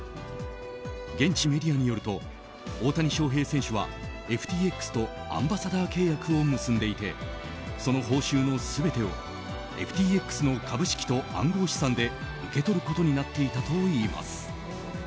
現地メディアによると大谷翔平選手はＦＴＸとアンバサダー契約を結んでいてその報酬の全てをＦＴＸの株式と暗号資産で受け取ることになっていたといいます。